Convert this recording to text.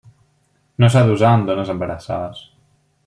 No s'ha d'usar en dones embarassades.